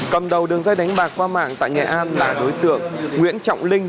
cầm đầu đường dây đánh bạc qua mạng tại nghệ an là đối tượng nguyễn trọng linh